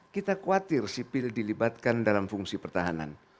kita khawatir sipil dilibatkan dalam fungsi pertahanan